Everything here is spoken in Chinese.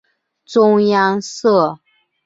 中央社